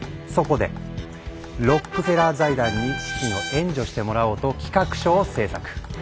そこでロックフェラー財団に資金を援助してもらおうと企画書を制作。